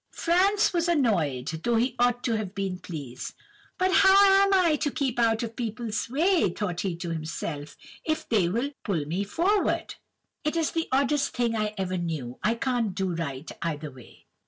"Franz was annoyed, though he ought to been pleased. "'But how am I to keep out of people's way,' thought he to himself, 'if they will pull me forward? It's the oddest thing I ever knew. I can't do right either way.